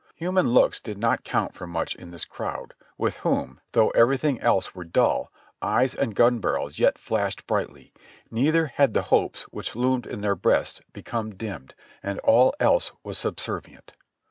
Human looks did not count for much in this crowd, with whom, though everything else were dull, eyes and gun barrels yet flashed brightly; neither had the hopes which loomed in their breasts become dimmed, and all else was subservient.